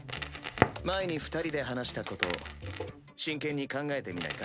前に二人で話したこと真剣に考えてみないか？